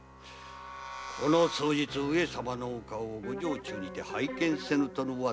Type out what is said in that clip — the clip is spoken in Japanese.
ここ数日上様のお顔をご城中にて拝見せぬとの噂。